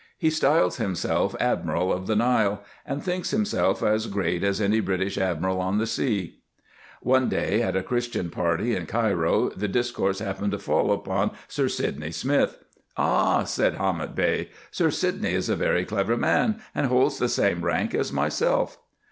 He styles himself admiral of the Nile, and thinks himself as great as any British admiral on the sea. One day at a christian party in Cairo, the discourse happened to fall upon Sir Sydney Smith ;" Ah !" said Hamet Bey, " Sir Sydney is a very clever man, and holds tbe same rank as myself."